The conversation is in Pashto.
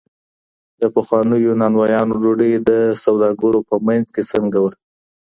د پخوانیو نانوایانو ډوډۍ د سوداګرو په منځ کي څنګه وه؟